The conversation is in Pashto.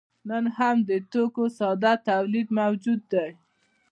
نن هم د توکو ساده تولید موجود دی.